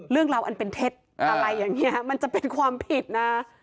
เรื่องราวอันเป็นเท็จอะไรอย่างนี้มันจะเป็นความผิดนะ